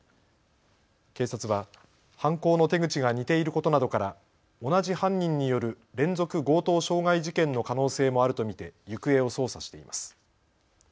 警察は犯行の手口が似ていることなどから同じ犯人による連続強盗傷害事件の可能性もあると見て行方を捜査しています。